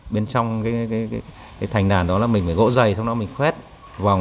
bên trong thành đàn mình phải gỗ dày mình khuét lõm bên trong